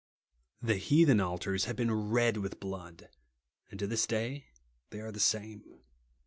The heathen altars have been red with blood ; and to this day they are the same.